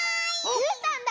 うーたんだ！